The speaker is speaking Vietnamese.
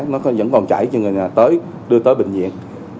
nó vẫn còn chảy cho người nhà tới đưa tới bệnh viện